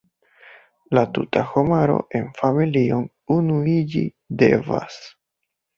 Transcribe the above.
La tuta homaro en familion unuiĝi devas.